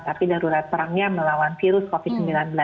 tapi darurat perangnya melawan virus covid sembilan belas